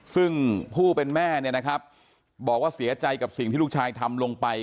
ซึ่งผู้เป็นแม่เนี่ยนะครับบอกว่าเสียใจกับสิ่งที่ลูกชายทำลงไป